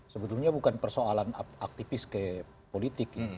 sebetulnya bukan persoalan aktivis ke politik